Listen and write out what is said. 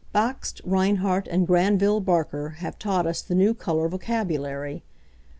Bakst, Rheinhardt and Granville Barker have taught us the new colour vocabulary.